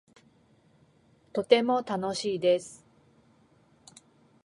とても楽しいです